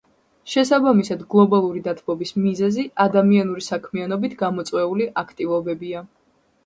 შესაბამისად, გლობალური დათბობის მიზეზი ადამიანური საქმიანობით გამოწვეული აქტივობებია.